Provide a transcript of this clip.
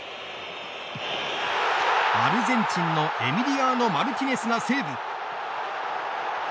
アルゼンチンのエミリアーノ・マルティネスがセーブ。